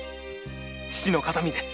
父の形見です。